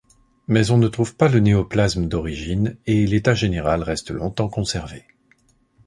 Mais on ne trouve pas le néoplasme d'origine et l'état général reste longtemps conservé.